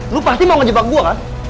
lu pasti mau ngejebak gue kan